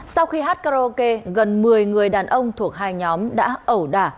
sau khi hát karaoke gần một mươi người đàn ông thuộc hai nhóm đã ẩu đả